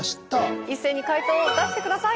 はい一斉に解答を出して下さい！